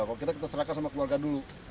ya kalau kita terserahkan sama keluarga dulu